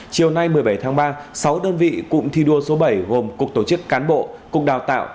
chiều nay một mươi bảy tháng ba sáu đơn vị cụm thi đua số bảy gồm cục tổ chức cán bộ cục đào tạo